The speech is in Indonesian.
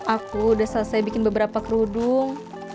aku udah selesai bikin beberapa kerudung